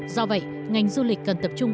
do vậy ngành du lịch cần tập trung